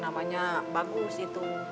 namanya bagus itu